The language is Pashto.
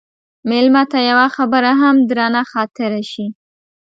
مېلمه ته یوه خبره هم درنه خاطره شي.